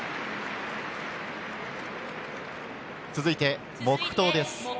続いて、黙とうです。